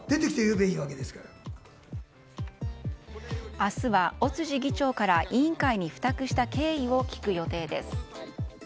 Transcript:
明日は、尾辻議長から委員会に付託した経緯を聞く予定です。